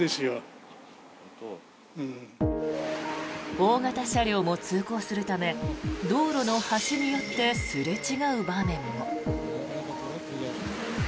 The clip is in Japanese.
大型車両も通行するため道路の端に寄ってすれ違う場面も。